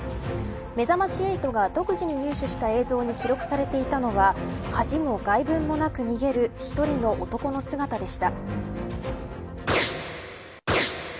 めざまし８が独自に入手した映像に記録されていたのは恥も外聞もなく逃げる１人の男の姿でした。